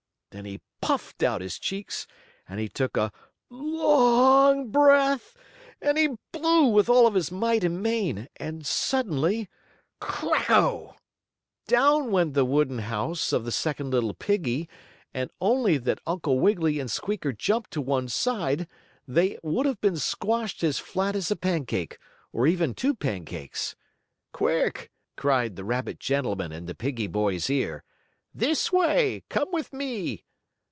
Then he puffed out his cheeks, and he took a long breath and he blew with all his might and main and suddenly: "Cracko!" Down went the wooden house of the second little piggie, and only that Uncle Wiggily and Squeaker jumped to one side they would have been squashed as flat as a pancake, or even two pancakes. "Quick!" cried the rabbit gentleman in the piggie boy's ear. "This way! Come with me!"